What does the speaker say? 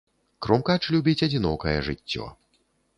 Крумкач любіць адзінокае жыццё.